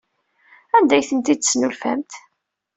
Anda ay tent-id-tesnulfamt?